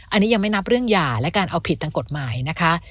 อันนี้ยังไม่นับเรื่องหย่าและการเอาผิดทางกฎหมายนะคะ